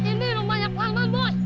ini rumahnya parman bos